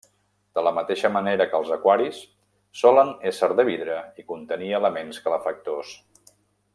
De la mateixa manera que els aquaris, solen ésser de vidre i contenir elements calefactors.